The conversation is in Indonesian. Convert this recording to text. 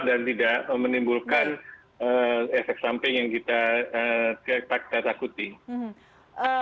dan tidak menimbulkan efek samping yang kita takutkan